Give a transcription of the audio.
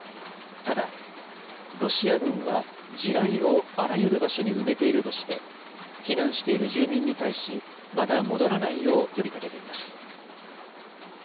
ただ、ロシア軍は地雷をあらゆる場所に埋めているとして、避難している住民に対し、まだ戻らないよう呼びかけています。